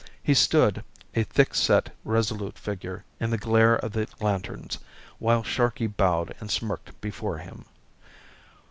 He stood, a thick set resolute figure, in the glare of the lanterns, while Sharkey bowed and smirked before him.